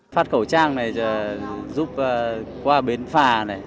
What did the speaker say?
phát khẩu trang này giúp qua bến đỏ